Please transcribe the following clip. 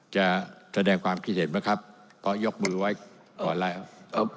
จะแสดงความคิดเห็นไหมครับก็ยกมือไว้ก่อนแล้ว